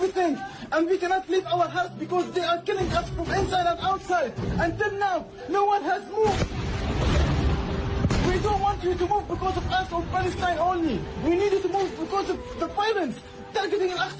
ทุกอย่างทุกอย่างทุกอย่าง